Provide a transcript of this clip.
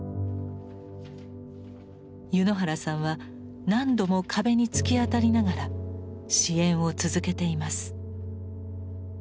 柚之原さんは何度も壁に突き当たりながら支援を続けています。